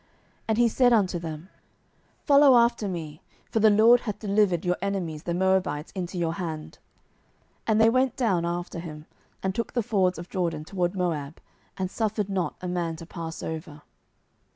07:003:028 And he said unto them, Follow after me: for the LORD hath delivered your enemies the Moabites into your hand. And they went down after him, and took the fords of Jordan toward Moab, and suffered not a man to pass over.